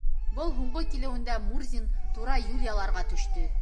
Был һуңғы килеүендә Мурзин тура Юлияларға төштө.